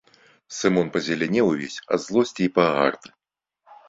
Сымон пазелянеў увесь ад злосці і пагарды.